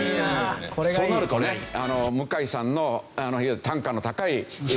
そうなるとね向井さんのいわゆる単価の高い仕事。